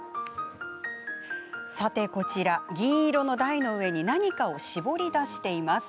さて、こちら銀色の台の上に何かを絞り出しています。